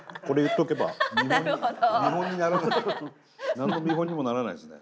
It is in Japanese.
何の見本にもならないですね。